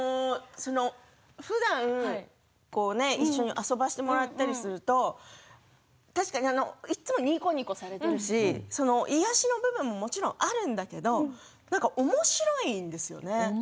ふだん一緒に遊ばせてもらったりすると確かにいつもにこにこされているし癒やしの部分ももちろんあるんだけど本当？